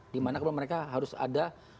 di mana kalau mereka harus ada